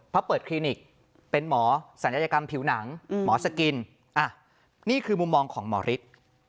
เพราะเปิดคลินิกเป็นหมอศัลยกรรมผิวหนังหมอสกินนี่คือมุมมองของหมอฤทธิ์